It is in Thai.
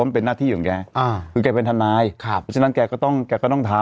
เป็นหน้าที่ของแกอ่าคือแกเป็นทนายครับเพราะฉะนั้นแกก็ต้องแกก็ต้องทำ